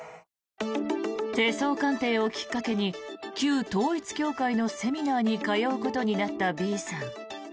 手相鑑定をきっかけに旧統一教会のセミナーに通うことになったＢさん。